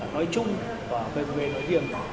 nói chung và về về nói riêng